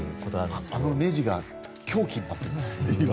あのねじが凶器になってるんですね、いわば。